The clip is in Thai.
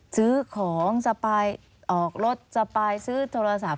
ซื้อของสปายออกรถสปายซื้อโทรศัพท์